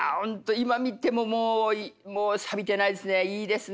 今見てももうさびてないですねいいですね。